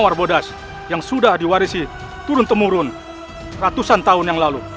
aku akan berbaik hati memberimu penawarnya